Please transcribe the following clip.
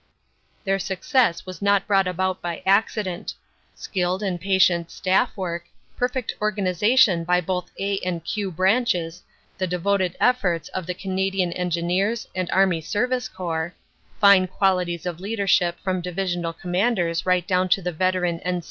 Their success was not brought about by accident. Skilled and patient staff work, perfect organization by both "A" and "Q" branches, the devoted efforts of the Canadian Engineers 94 CANADA S HUNDRED DAYS and Army Service Corps, fine qualities of leadership from divisional commanders right down to the veteran N.